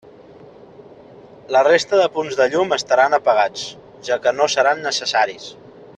La resta de punts de llum estaran apagats, ja que no seran necessaris.